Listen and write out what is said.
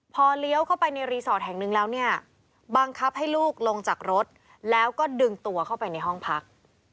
พอเลี้ยวเข้าไปในรีสอร์ทแห่งหนึ่งแล้วเนี่ยบังคับให้ลูกลงจากรถแล้วก็ดึงตัวเข้าไปในห้องพัก